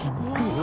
何？